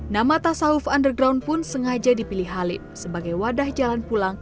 nama tasawuf underground pun sengaja dipilih halib sebagai wadah jalan pulang